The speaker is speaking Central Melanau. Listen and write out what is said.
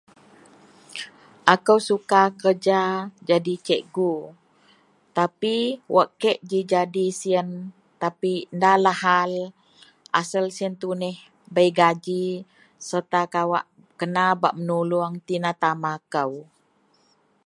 . Akou suka kereja jadi cikgu tapi wak kek ji jadi siyen tapi ndalah hal asel siyen tuneh bei gaji sereta kawak kena bak menuluong tina tama kou.